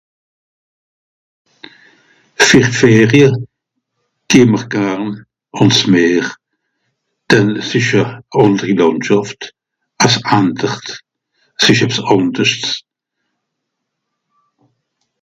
ver d'Ferie geh'mr garn àns Meer dànn s'esch a ànderi Làndschàft ass andert s'esch ebs ànderscht